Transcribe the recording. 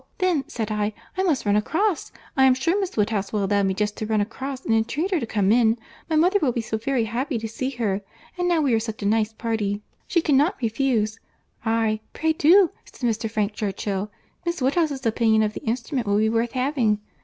then, said I, I must run across, I am sure Miss Woodhouse will allow me just to run across and entreat her to come in; my mother will be so very happy to see her—and now we are such a nice party, she cannot refuse.—'Aye, pray do,' said Mr. Frank Churchill, 'Miss Woodhouse's opinion of the instrument will be worth having.